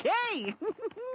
フフフフッ。